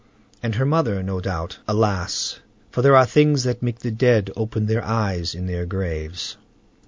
And her mother, no doubt, alas! For there are things that make the dead open their eyes in their graves.